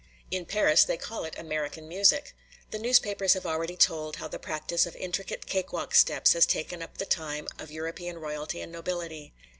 In Paris they call it American music. The newspapers have already told how the practice of intricate cake walk steps has taken up the time of European royalty and nobility.